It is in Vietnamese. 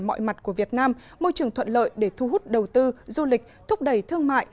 mọi mặt của việt nam môi trường thuận lợi để thu hút đầu tư du lịch thúc đẩy thương mại